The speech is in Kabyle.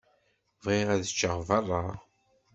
Bɣiɣ ad ččeɣ beṛṛa.